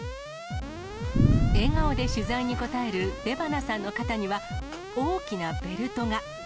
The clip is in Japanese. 笑顔で取材に答える出花さんの肩には、大きなベルトが。